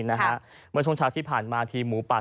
เมื่อช่วงเฉพาะที่ผ่านมาธรรมดิ์หมูปาก